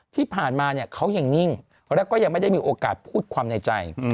ที่ผ่านมาเนี่ยเขายังนิ่งแล้วก็ยังไม่ได้มีโอกาสพูดความในใจ